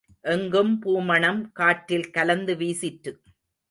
எங்கும் பூமணம், காற்றில் கலந்து வீசிற்று.